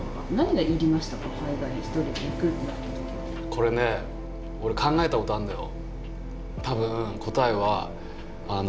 これね俺考えたことあんのよ。